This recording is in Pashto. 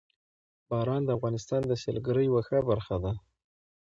باران د افغانستان د سیلګرۍ یوه ښه برخه ده.